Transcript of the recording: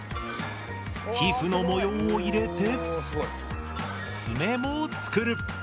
皮膚の模様を入れて爪も作る。